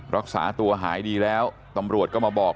รักษาตัวหายดีแล้วตำรวจก็มาบอก